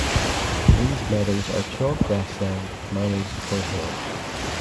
These meadows are chalk grassland managed for hay.